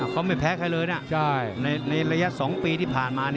เขาไม่แพ้ใครเลยนะในระยะ๒ปีที่ผ่านมา